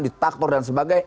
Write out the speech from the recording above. ditaktor dan sebagainya